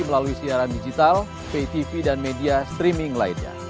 melalui siaran digital pay tv dan media streaming lainnya